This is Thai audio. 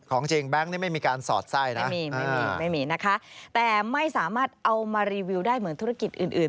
ของจริงแบงค์นี้ไม่มีการสอดไส้นะไม่มีไม่มีนะคะแต่ไม่สามารถเอามารีวิวได้เหมือนธุรกิจอื่นอื่น